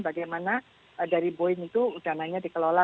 bagaimana dari boeing itu dananya dikelola